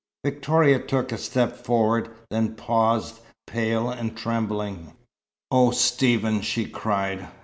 Victoria took a step forward, then paused, pale and trembling. "Oh, Stephen!" she cried.